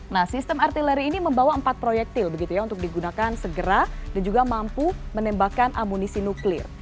nah sistem artileri ini membawa empat proyektil begitu ya untuk digunakan segera dan juga mampu menembakkan amunisi nuklir